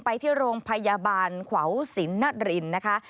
ไปที่โรงพยาบาลขวาวสินนรินนะคะ